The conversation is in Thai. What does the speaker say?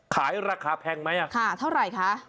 ขายราคาแพงไหมค่ะเท่าไหร่คะ